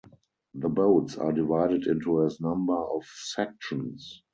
The boats are divided into a number of sections.